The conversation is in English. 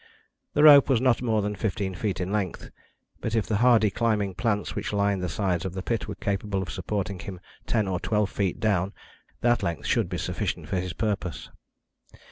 The rope was not more than fifteen feet in length, but if the hardy climbing plants which lined the sides of the pit were capable of supporting him ten or twelve feet down, that length should be sufficient for his purpose.